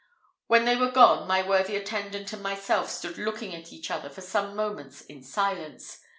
When they were gone, my worthy attendant and myself stood looking at each other for some moments in silence.